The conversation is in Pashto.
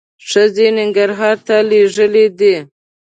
ښځې ننګرهار ته لېږلي دي.